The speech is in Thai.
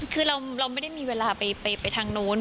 คือเราไม่ได้มีเวลาไปทางนู้น